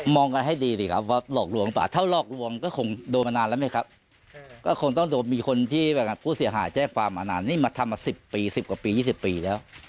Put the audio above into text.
มองกันให้ดีสิครับว่าหลอกหลวงปากถ้าหลอกหลวงก็คงโดยมานานแล้วไหมครับก็คงต้องโดยมีคนที่แบบนั้นกูเสียหาแจ้งปากมานานนี่มาทำมาสิบปีสิบกว่าปียี่สิบปีแล้ว